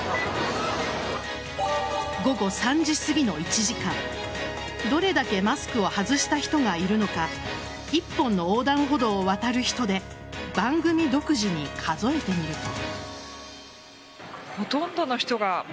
午後３時すぎの１時間どれだけマスクを外した人がいるのか１本の横断歩道を渡る人で番組独自に数えてみると。